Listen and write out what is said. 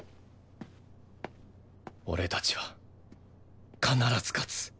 俺たちは必ず勝つ！